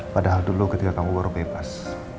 padahal dulu ketika kamu baru bebas